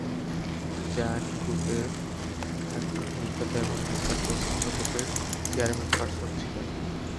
তিনি জায়ান্ট গ্রুপের একজন প্রতিষ্ঠাতা এবং নর্দান তসরিফা গ্রুপের চেয়ারপারসন ছিলেন।